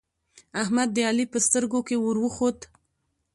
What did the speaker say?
احمد د علی په سترګو کې ور وخوت